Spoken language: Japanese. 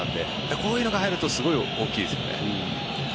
こういうのが入るとすごい大きいですよね。